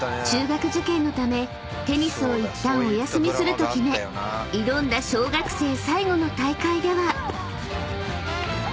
［中学受験のためテニスをいったんお休みすると決め挑んだ小学生最後の大会では］